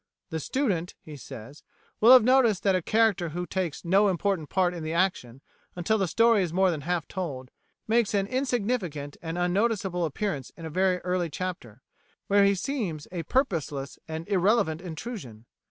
'The students,' he says, 'will have noticed that a character who takes no important part in the action until the story is more than half told, makes an insignificant and unnoticeable appearance in a very early chapter, where he seems a purposeless and irrelevant intrusion.'